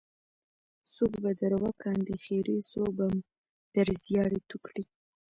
څوک به در وکاندې خیرې څوک بم در زیاړې توه کړي.